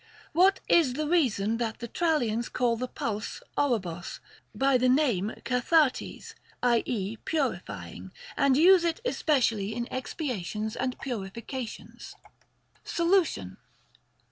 What is the reason that the Trallians call the pulse οροβος by the name καθαυτής (i.e. 'purifying), and use it especially in expiations and purifications. Solution.